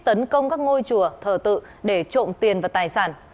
tấn công các ngôi chùa thờ tự để trộm tiền và tài sản